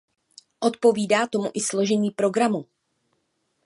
Odpovídá tomu i složení programu.